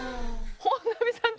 本並さん